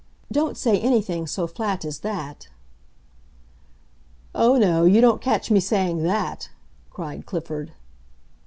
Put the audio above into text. "Don't say anything so flat as that." "Oh, no, you don't catch me saying that!" cried Clifford.